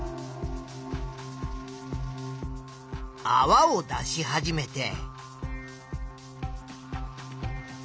あわを出し始めて。